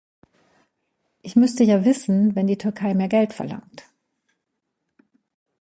Ich müsste ja wissen, wenn die Türkei mehr Geld verlangt.